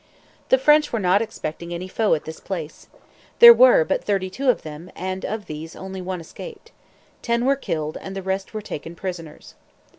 The French were not expecting any foe at this place. There were but thirty two of them; and of these only one escaped. Ten were killed, and the rest were taken prisoners.